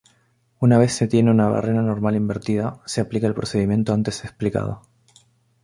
Una vez se tiene una barrena normal invertida, se aplica el procedimiento antes explicado.